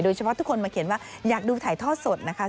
โดยเฉพาะทุกคนมาเขียนว่าอยากดูถ่ายท่อสดนะคะ